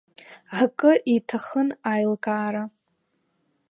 Акы иҭахын аилкаара.